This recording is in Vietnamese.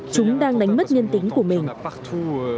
chúng đang đánh mất nhân tính của mình